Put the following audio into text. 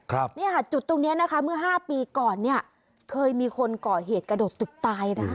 และจุดตรงนี้นะคะเมื่อ๕ปีก่อนเนี่ยเคยมีคนก่อเหตุกระโดดตุ๊กตายนะ